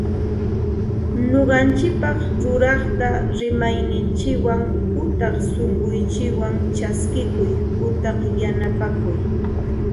Ñuqanchikpaq ruraqta rimayninchikwan utaq sunqunchikwan chaskikuy utaq yanapakuy